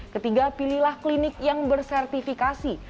ketiga pilihlah klinik yang bersertifikasi